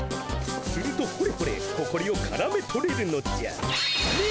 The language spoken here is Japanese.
するとほれほれほこりをからめとれるのじゃ。